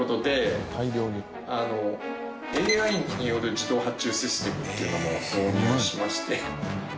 ＡＩによる自動発注システムというのも導入しまして。